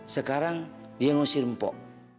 sekarang dia yang usir mpok